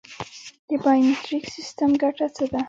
د بایومتریک سیستم ګټه څه ده؟